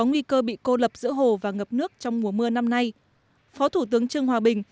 nguy cơ bị cô lập giữa hồ và ngập nước trong mùa mưa năm nay phó thủ tướng trương hòa bình